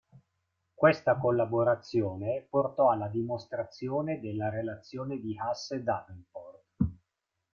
Questa collaborazione portò alla dimostrazione della relazione di Hasse-Davenport.